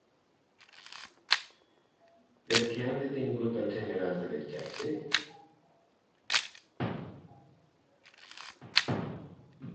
Per què han detingut als generals de l'Exèrcit?